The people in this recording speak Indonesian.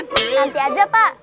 nanti aja pak